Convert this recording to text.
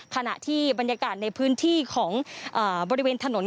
ขณะที่บรรยากาศในพื้นที่ของบริเวณถนน